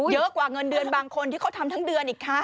เยอะกว่าเงินเดือนบางคนที่เขาทำทั้งเดือนอีกคะ